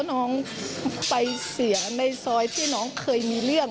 แต่น้องหลักภาพไปเสียบใบซ้อยที่น้องเคยมีเรียง